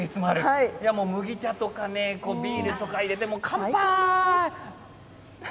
麦茶とかビールに入れて乾杯、ふ！